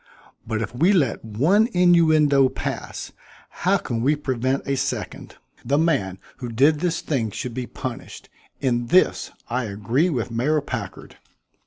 But if we let one innuendo pass, how can we prevent a second? The man who did this thing should be punished. In this I agree with Mayor Packard."